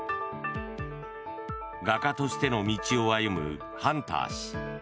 画家としての道を歩むハンター氏。